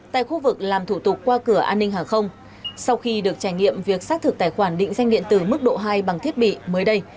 tại khu vực làm thủ tục qua cửa an ninh hàng không sau khi được trải nghiệm việc xác thực tài khoản định danh điện tử mức độ hai bằng thiết bị mới đây